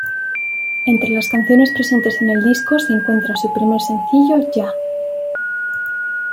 Entre las canciones presentes en el disco se encuentra su primer sencillo, "Yah!